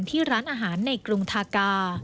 ที่ร้านอาหารในกรุงทากา